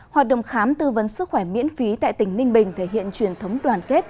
hoạt động khám tư vấn sức khỏe miễn phí tại tỉnh ninh bình thể hiện truyền thống đoàn kết